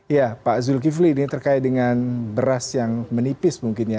ya pak zulkifli ini terkait dengan beras yang menipis mungkin ya